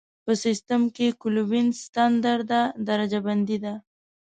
په سیسټم کې کلوین ستندرده درجه بندي ده.